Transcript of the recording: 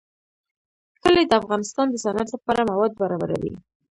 کلي د افغانستان د صنعت لپاره مواد برابروي.